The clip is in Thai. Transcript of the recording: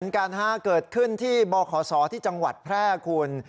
กันเกิดขึ้นที่บขศที่จังหวัดแพร่คุณ